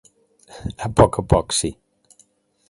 A poc a poc, sí.